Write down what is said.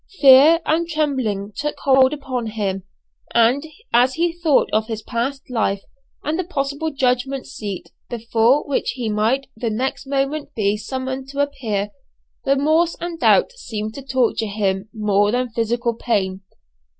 Fear and trembling took hold upon him, and as he thought of his past life, and the possible judgment seat, before which he might the next moment be summoned to appear, remorse and doubt seemed to torture him more than physical pain.